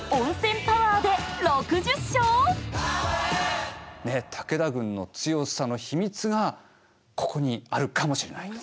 その結果ねえ武田軍の強さの秘密がここにあるかもしれないと。